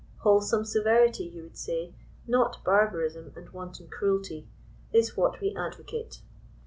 Wholesome severity, you would say, not barbarism and wanton cruelty, is what we advocate.